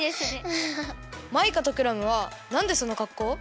マイカとクラムはなんでそのかっこう？